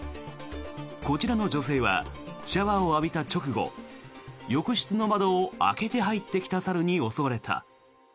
こちらの女性はシャワーを浴びた直後浴室の窓を開けて入ってきた猿に襲われた。